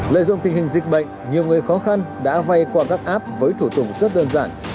lợi dụng tình hình dịch bệnh nhiều người khó khăn đã vay qua các app với thủ tục rất đơn giản